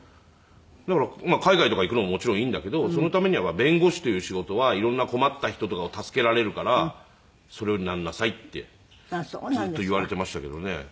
だから「海外とか行くのももちろんいいんだけどそのためには弁護士という仕事は色んな困った人とかを助けられるからそれになりなさい」ってずっと言われていましたけどね。